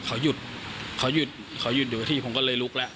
เขาหยุดเขาหยุดเขาหยุดอยู่ที่ผมก็เลยลุกแล้ว